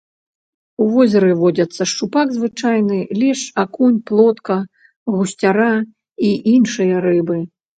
У возеры водзяцца шчупак звычайны, лешч, акунь, плотка, гусцяра і іншыя рыбы.